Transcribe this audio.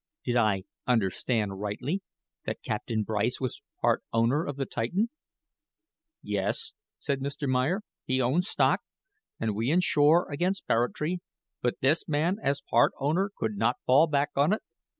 Did I understand rightly that Captain Bryce was part owner of the Titan?" "Yes," said Mr. Meyer, "he owns stock; and we insure against barratry; but this man, as part owner, could not fall back on it."